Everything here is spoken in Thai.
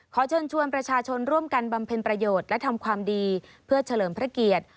ขอเชิญชวนประชาชนร่วมกันบำเพ็ญประโยชน์และทำความดีเพื่อเฉลิมพระเกียรติ